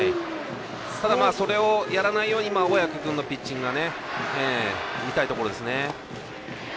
それをやらないように小宅君のピッチングが見たいところですね。